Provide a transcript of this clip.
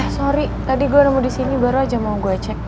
eh sorry tadi gue nemu disini baru aja mau gue cek